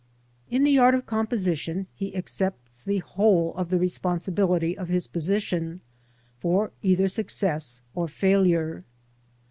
In the art of composition he accepts the whole of the responsibility of his position, for either success or failure.